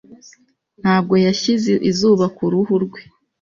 Ntabwo yashyize izuba ku ruhu rwe.